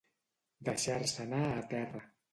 Deixar-se anar a terra.